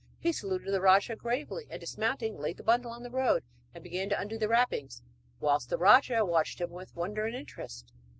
He saluted the rajah gravely, and, dismounting, laid the bundle in the road and began to undo the wrappings, whilst the rajah watched him with wonder and interest.